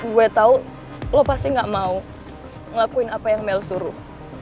gue tau lo pasti gak mau ngelakuin apa yang mel suruh